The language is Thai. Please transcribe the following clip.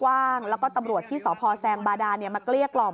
พอหลังจากเกิดเหตุแล้วเจ้าหน้าที่ต้องไปพยายามเกลี้ยกล่อม